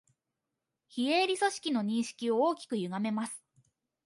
非営利組織の認識を大きくゆがめます